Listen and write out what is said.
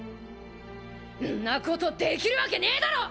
んなことできるわけねえだろ！